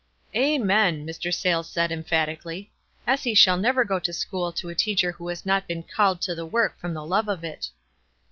"Amen!" Mr. Sayles said, emphatically. "Essie shall never go to school to a teacher who has not been called to the work from the love of it."